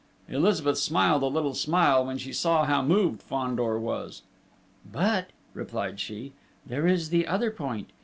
Elizabeth smiled a little smile when she saw how moved Fandor was. "But," replied she, "there is the other point!